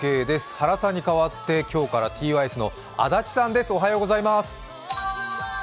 原さんに代わって今日からｔｙｓの安達さんです。